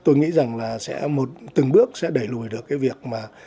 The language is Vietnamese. tôi nghĩ rằng là sẽ một từng bước sẽ đẩy lùi được cái việc mà